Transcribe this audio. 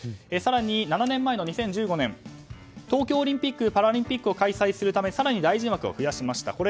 更に７年前の２０１５年東京オリンピック・パラリンピックを開催するため更に大臣枠を増やしました。